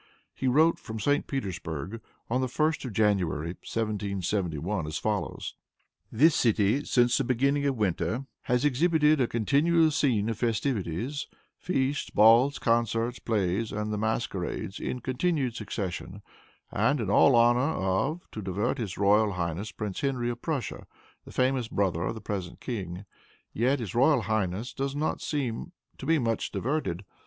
He wrote from St. Petersburg, on the 1st of January, 1771, as follows: "This city, since the beginning of winter, has exhibited a continued scene of festivities; feasts, balls, concerts, plays, and masquerades in continued succession; and all in honor of, and to divert his royal highness, Prince Henry of Prussia, the famous brother of the present king. Yet his royal highness does not seem to be much diverted.